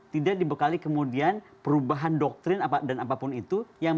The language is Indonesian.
tidak dibekali kemudian perubahan doktrin dan apapun itu